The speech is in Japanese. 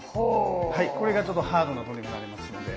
これがちょっとハードなトレーニングになりますので。